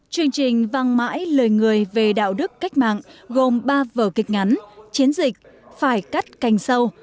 chương trình vang mãi lời người về đạo đức cách mạng gồm ba vở kịch ngắn chiến dịch phải cắt cành sâu